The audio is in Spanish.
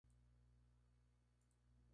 Rodillo y oceanógrafo M. Dale Stokes.